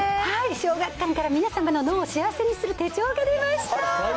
小学館から皆さんの脳を幸せにする手帳が出ました。